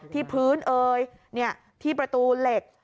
ที่พื้นเอ่ยที่ประตูเหล็ก